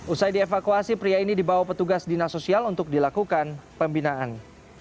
usai dievakuasi pria ini dibawa petugas dinas sosial untuk dilakukan pembinaan